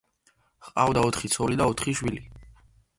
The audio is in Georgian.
ჰყავდა ოთხი ცოლი და ოთხი შვილი.